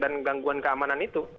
dan gangguan keamanan itu